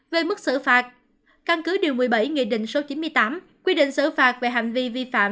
về mức xử phạt căn cứ điều một mươi bảy nghị định số chín mươi tám quy định xử phạt về hành vi vi phạm